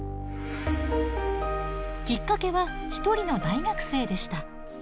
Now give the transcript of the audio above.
きっかけは一人の大学生でした。